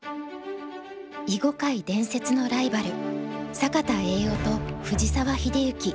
囲碁界伝説のライバル坂田栄男と藤沢秀行